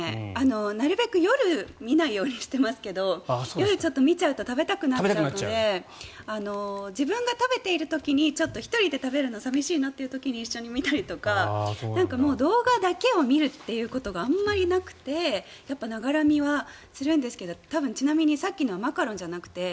なるべく夜は見ないようにしていますが夜に見ちゃうと食べたくなっちゃうので自分が食べている時にちょっと１人で食べるのは寂しいなという時に一緒に見たりとかもう動画だけを見るってことがあんまりなくってながら見はするんですけどちなみにさっきのはマカロンじゃなくて何？